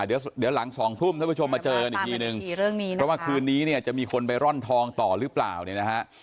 เดี๋ยวหลังสองทุ่มท่านผู้ชมมาเจอกันอีกทีนึงเพราะว่าคืนนี้เนี่ยจะมีคนไปร่อนทองต่อหรือเปล่าเนี่ยนะฮะ